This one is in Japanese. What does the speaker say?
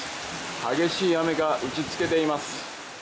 激しい雨が打ちつけています